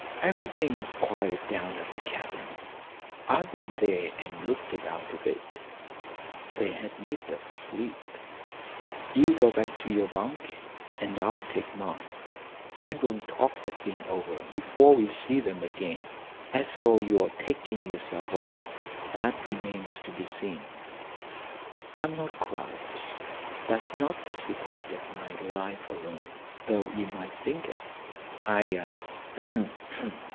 "Everything's quiet down at the cabin. I've been there and looked about a bit. They had need of sleep. You go back to your bunk, and I'll take mine, and we'll talk the thing over before we see them again. As for your taking yourself off, that remains to be seen. I'm not crabbed, that's not the secret of my life alone, though you might think it. I ahem ahem."